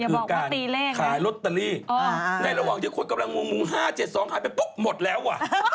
คือการขายลอตเตอรี่ในระหว่างที่คนกำลังมุง๕๗๒หายไปปุ๊บหมดแล้วอ่ะ